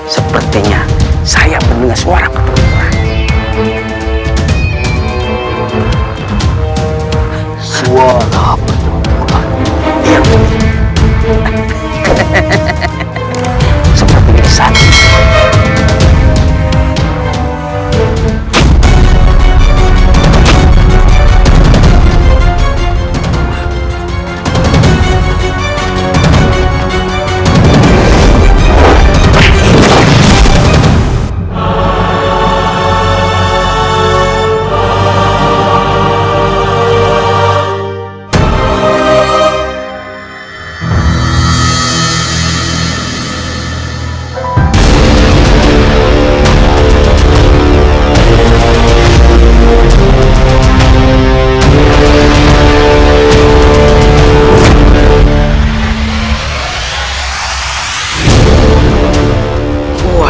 sepertinya saya mendengar suara ketawa